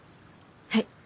はい。